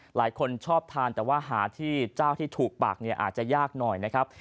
หลายคนชอบทานแต่ว่าหาที่เจ้าที่ถูกปากเนี่ยอาจจะยากหน่อยนะครับ